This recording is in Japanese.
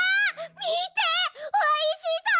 みておいしそう！